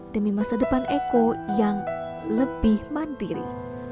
demi masa depan eko yang lebih mandiri